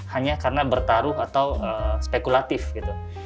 hanya karena bertaruh atau spekulatif gitu